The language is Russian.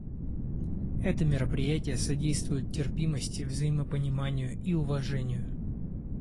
Это мероприятие содействует терпимости, взаимопониманию и уважению.